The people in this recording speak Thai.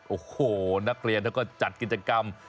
โอ้โหนักเรียนเขาก็จัดกิจกรรม